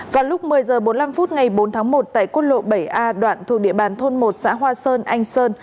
vào lúc một mươi h bốn mươi năm phút ngày bốn tháng một tại quốc lộ bảy a đoạn thuộc địa bàn thôn một xã hoa sơn anh sơn